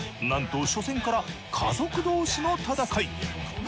なんと初戦から家族同士の戦い。